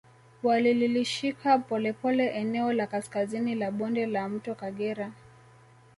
Walilishika polepole eneo la kaskazini la bonde la mto Kagera